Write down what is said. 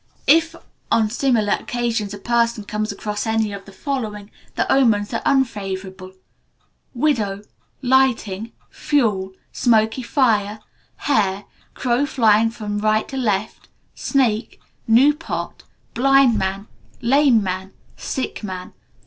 If, on similar occasions, a person comes across any of the following, the omens are unfavourable: Widow. Lightning. Fuel. Smoky fire. Hare. Crow flying from right to left. Snake. New pot. Blind man. Lame man. Sick man.